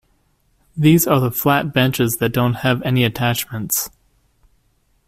These are the flat benches that don't have any attachments.